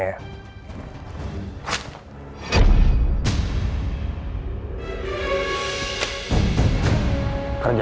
ini draft kontraknya ya